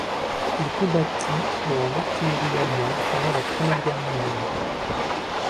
Il combattit dans l'artillerie allemande pendant la Première Guerre mondiale.